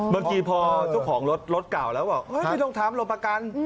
เมื่อกี้พอทุกของรถกล่าวแล้วบอกไม่ต้องทำหลบประกัน